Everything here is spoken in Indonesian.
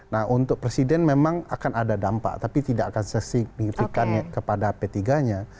nah untuk presiden memang akan ada dampak tapi tidak akan sesignifikan kepada p tiga nya